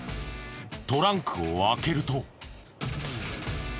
トランクを開けると。